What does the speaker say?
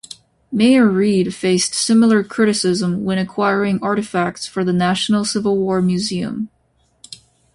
Mayor Reed faced similar criticism when acquiring artifacts for the National Civil War Museum.